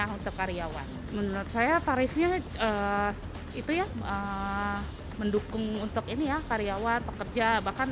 untuk karyawan menurut saya tarifnya itu ya mendukung untuk ini ya karyawan pekerja bahkan